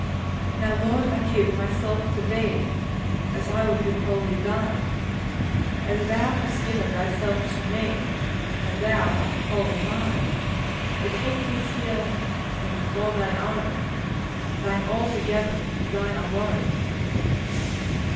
Now, Lord, I give myself to Thee, I would be wholly Thine, As Thou hast given Thyself to me, And Thou art wholly mine; O take me, seal me for Thine own, Thine altogether, Thine alone.